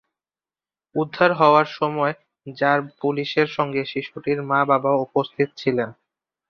উদ্ধার হওয়ার সময় র্যাব পুলিশের সঙ্গে শিশুটির মা বাবাও উপস্থিত ছিলেন।